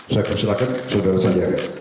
saya persilakan saudara sandiaga